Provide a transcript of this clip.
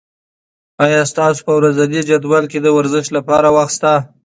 آیا ستاسو په ورځني جدول کې د ورزش لپاره وخت شته؟